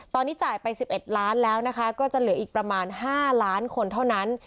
ตอนนี้จ่ายไป๑๑ล้านแล้วนะคะก็จะเหลืออีกประมาณ๕ล้านคนเท่านั้น